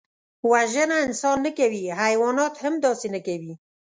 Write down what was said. وژنه انسان نه کوي، حیوانات هم داسې نه کوي